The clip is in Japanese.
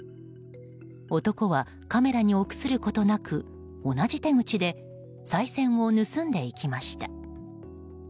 男はカメラに臆することなく同じ手口でさい銭を盗んでいきました。